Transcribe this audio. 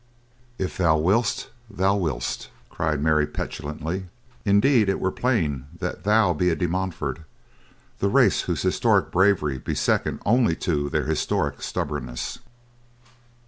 "If thou wilt, thou wilt," cried Mary petulantly. "Indeed it were plain that thou be a De Montfort; that race whose historic bravery be second only to their historic stubbornness."